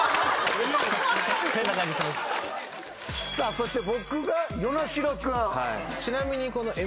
そして僕が與那城君。